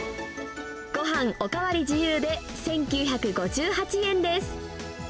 ごはんお代わり自由で１９５８円です。